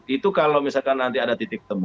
itu kalau misalkan nanti ada titik temu